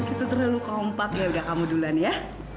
itu terlalu kompak yaudah kamu duluan ya